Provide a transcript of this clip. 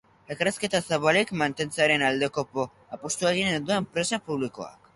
Elkarrizketa zabalik mantentzearen aldeko apustua egin du enpresa publikoak.